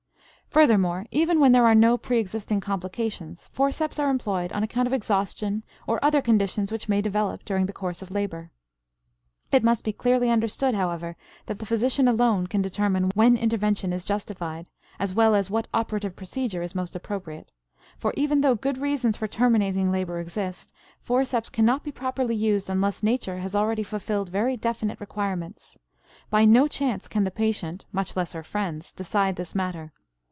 Furthermore, even when there are no preexisting complications forceps are employed on account of exhaustion or other conditions which may develop during the course of labor. It must be clearly understood, however, that the physician alone can determine when intervention is justified, as well as what operative procedure is most appropriate; for even though good reasons for terminating labor exist, forceps cannot be properly used unless nature has already fulfilled very definite requirements. By no chance can the patient, much less her friends, decide this matter.